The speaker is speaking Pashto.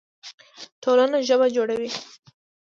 ټولنه ژبه جوړوي.